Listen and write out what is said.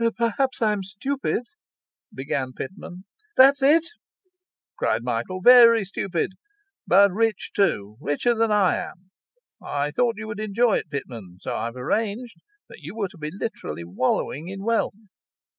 'Perhaps I'm stupid ' began Pitman. 'That's it!' cried Michael. 'Very stupid; but rich too richer than I am. I thought you would enjoy it, Pitman, so I've arranged that you were to be literally wallowing in wealth.